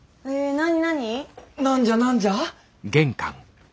何じゃ何じゃ？